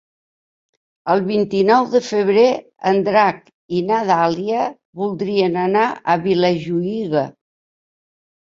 El vint-i-nou de febrer en Drac i na Dàlia voldrien anar a Vilajuïga.